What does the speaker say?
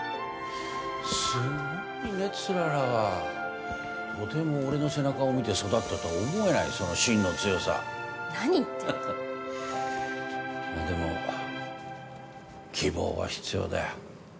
すごいね氷柱はとても俺の背中を見て育ったとは思えないその芯の強さ何言ってんのでも希望は必要だよ